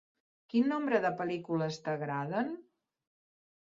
Quin nombre de pel·lícules t'agraden?